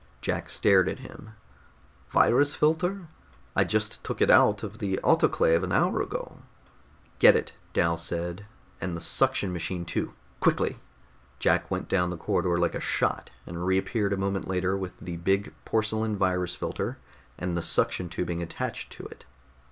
Jack stared at him. "Virus filter? I just took it out of the autoclave an hour ago." "Get it," Dal said, "and the suction machine too. Quickly!" Jack went down the corridor like a shot, and reappeared a moment later with the big porcelain virus filter and the suction tubing attached to it.